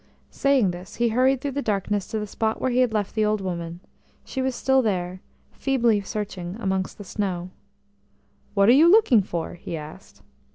Saying this, he hurried through the darkness to the spot where he had left the old woman; she was still there, feebly searching amongst the snow. "What are you looking for?" he asked.